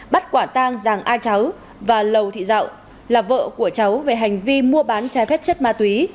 bắt quả tang giàng a cháo và lầu thị dạo là vợ của cháu về hành vi mua bán trái phép chất ma túy